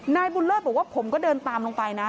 นายบุญเลิศบอกว่าผมก็เดินตามลงไปนะ